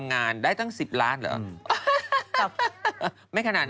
งานนั่งสวยนะ